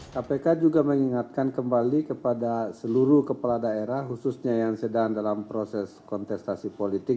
kpk juga mengingatkan kembali kepada seluruh kepala daerah khususnya yang sedang dalam proses kontestasi politik